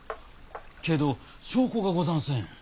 けど証拠がござんせん。